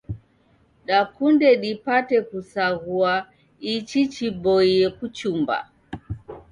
Dakunde dipate kusaghua ichi chiboie kuchumba.